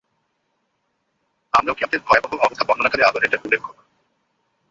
আমরাও কিয়ামতের ভয়াবহ অবস্থা বর্ণনাকালে আবার এটার উল্লেখ করব।